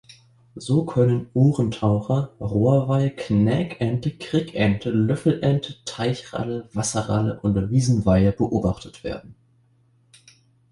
So können Ohrentaucher, Rohrweihe, Knäkente, Krickente, Löffelente, Teichralle, Wasserralle und Wiesenweihe beobachtet werden.